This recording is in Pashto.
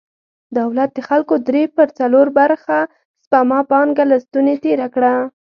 دولت د خلکو درې پر څلور برخه سپما پانګه له ستونې تېره کړه.